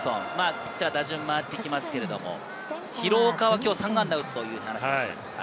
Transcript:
ピッチャー打順回ってきますけど、廣岡は今日３安打を打つという話でした。